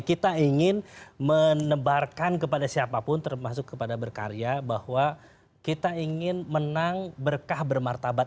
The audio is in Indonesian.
kita ingin menebarkan kepada siapapun termasuk kepada berkarya bahwa kita ingin menang berkah bermartabat